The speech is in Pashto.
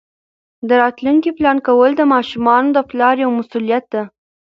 د راتلونکي پلان کول د ماشومانو د پلار یوه مسؤلیت ده.